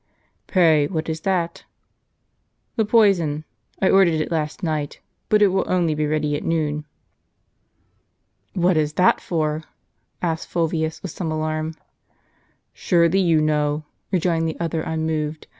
" Pray what is that ?"" The poison. I ordered it last night, but it will only be ready at noon." "What is that for?" asked Fulvius, with some alarm. "Surely jou know," rejoined the other, unmoved.